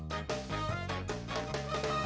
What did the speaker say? ตามอ้าวใจเลย